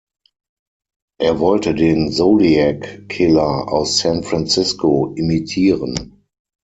Er wollte den Zodiac-Killer aus San Francisco imitieren.